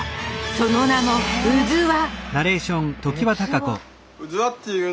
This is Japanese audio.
その名も「うずわ」